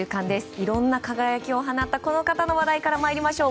いろんな輝きを放ったこの方の話題から参りましょう。